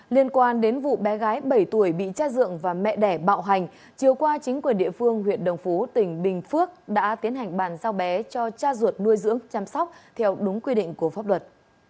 liên quan đến vụ bé gái bảy tuổi bị cha dượng và mẹ đẻ bạo hành chiều qua chính quyền địa phương huyện đồng phú tỉnh bình phước đã tiến hành bàn giao bé cho cha ruột nuôi dưỡng chăm sóc theo đúng quy định của pháp luật